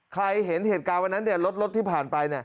เห็นเหตุการณ์วันนั้นรถที่ผ่านไป